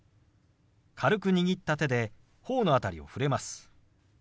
軽く握った手で頬の辺りを触れます。